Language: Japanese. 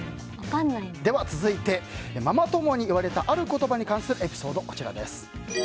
では続いて、ママ友に言われたある言葉に関するエピソード。